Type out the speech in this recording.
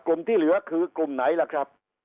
ที่เหลือคือกลุ่มไหนล่ะครับ